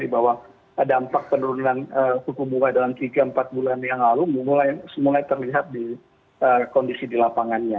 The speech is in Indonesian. bahwa dampak penurunan suku bunga dalam tiga empat bulan yang lalu mulai terlihat di kondisi di lapangannya